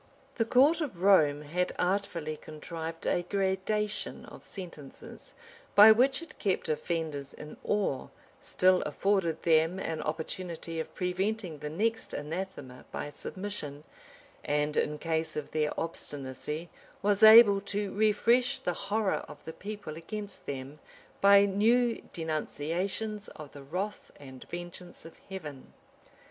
{1209.} The court of Rome had artfully contrived a gradation of sentences; by which it kept offenders in awe; still afforded them an opportunity of preventing the next anathema by submission; and, in case of their obstinacy, was able to refresh the horror of the people against them, by new denunciations of the wrath and vengeance of Heaven.